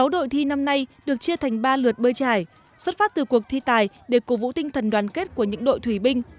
sáu đội thi năm nay được chia thành ba lượt bơi trải xuất phát từ cuộc thi tài để cổ vũ tinh thần đoàn kết của những đội thủy binh